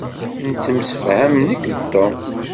Nettemsefham nekk d Tom.